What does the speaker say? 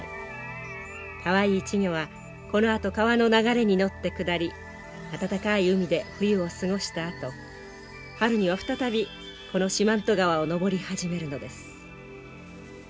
かわいい稚魚はこのあと川の流れに乗って下り暖かい海で冬を過ごしたあと春には再びこの四万十川を上り始めるのです。